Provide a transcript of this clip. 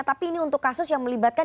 tapi ini untuk kasus yang melibatkan